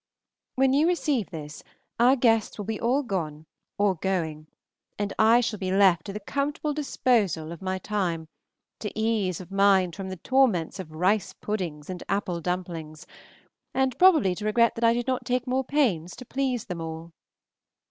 When you receive this, our guests will be all gone or going; and I shall be left to the comfortable disposal of my time, to ease of mind from the torments of rice puddings and apple dumplings, and probably to regret that I did not take more pains to please them all.